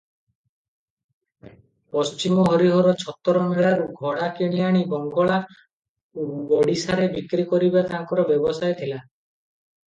ପଶ୍ଚିମ ହରିହର ଛତର ମେଳାରୁ ଘୋଡ଼ା କିଣିଆଣି ବଙ୍ଗଳା, ଓଡ଼ିଶାରେ ବିକ୍ରି କରିବା ତାଙ୍କର ବ୍ୟବସାୟ ଥିଲା ।